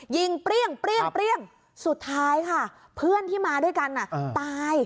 ยิงเปรี้ยงเปรี้ยงเปรี้ยงสุดท้ายค่ะเพื่อนที่มาด้วยกันน่ะอืม